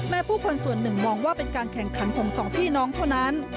ผู้คนส่วนหนึ่งมองว่าเป็นการแข่งขันของสองพี่น้องเท่านั้น